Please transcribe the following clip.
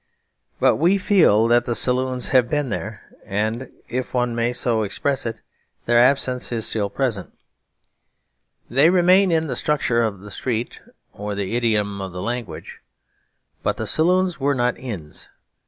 But we feel that the saloons have been there; if one may so express it, their absence is still present. They remain in the structure of the street and the idiom of the language. But the saloons were not inns.